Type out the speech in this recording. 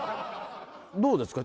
どうですか？